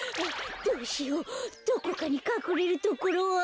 どうしようどこかにかくれるところは。